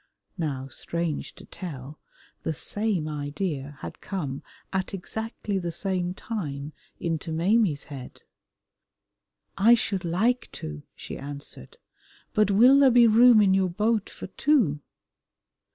Now, strange to tell, the same idea had come at exactly the same time into Maimie's head. "I should like to," she answered, "but will there be room in your boat for two?"